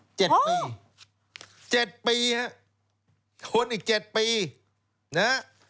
โอ้โฮเจ็ดปีเจ็ดปีครับโทนอีกเจ็ดปีน่ะ